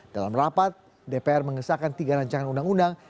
dalam rapat dpr mengesahkan tiga rancangan undang undang